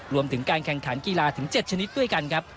รวมถึงการแข่งขันกีฬาถึง๗ชนิดด้วยกันครับ